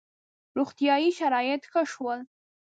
• روغتیايي شرایط ښه شول.